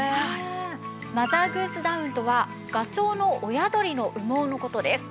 マザーグースダウンとはガチョウの親鳥の羽毛の事です。